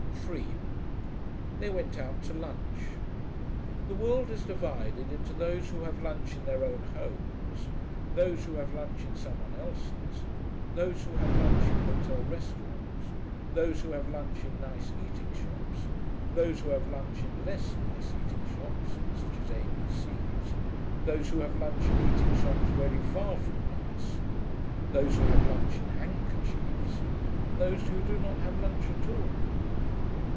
3 They went out to lunch. The world is divided into those who have lunch in their own homes, those who have lunch in some one else's, those who have lunch in hotel restaurants, those who have lunch in nice eating shops, those who have lunch in less nice eating shops, such as A.B.C.'s, those who have lunch in eating shops very far from nice, those who have lunch in handkerchiefs, and those who do not have lunch at all.